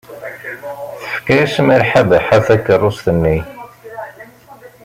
Tefka-as Malḥa Baḥa takeṛṛust-nni.